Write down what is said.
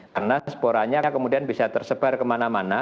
karena sporanya kemudian bisa tersebar kemana mana